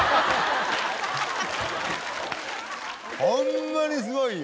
ホンマにすごいよ。